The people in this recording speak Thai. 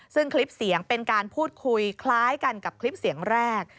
ซึ่งคลิปเสียงเป็นการพูดคุยคล้ายกันกับคลิปเสียงแรก